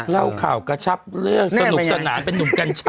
เล่าข่าวก็ชับเลือกสนุกสนานเป็นหนุ่มกันชัย